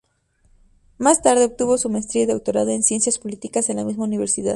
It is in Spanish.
Más tarde obtuvo su maestría y doctorado en ciencias políticas en la misma Universidad.